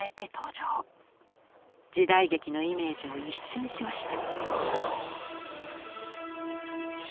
時代劇のイメージを一新しました。